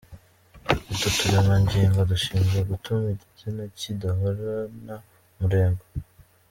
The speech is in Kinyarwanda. Utu turemangingo dushinzwe gutuma igitsina kidahorana umurego.